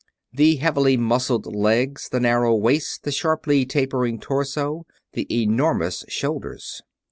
The heavily muscled legs, the narrow waist, the sharply tapering torso, the enormous shoulders.